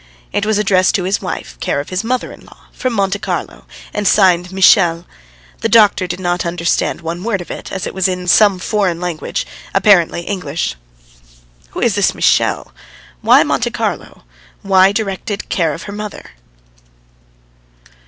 It was addressed to his wife, care of his mother in law, from Monte Carlo, and signed Michel .... The doctor did not understand one word of it, as it was in some foreign language, apparently English. "Who is this Michel? Why Monte Carlo? Why directed care of her mother?"